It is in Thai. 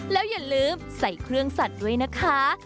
แล้วอย่าลืมใส่เครื่องสัตว์ด้วยนะคะ